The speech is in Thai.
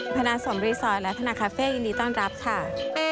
พนัสสมรีสอร์ทและพนักคาเฟ่ยินดีต้อนรับค่ะ